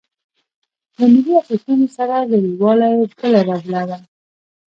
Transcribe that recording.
له ملي ارزښتونو سره لريوالۍ بله ربړه وه.